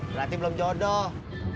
berarti belum jodoh